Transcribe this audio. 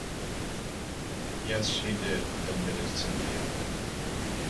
“Yes, she did,” admitted Cynthia.